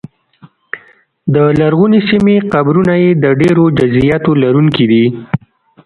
د لرغونې سیمې قبرونه یې د ډېرو جزییاتو لرونکي دي